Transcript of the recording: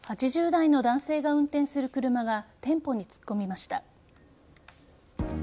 ８０代の男性が運転する車が店舗に突っ込みました。